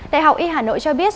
đại học y hà nội cho biết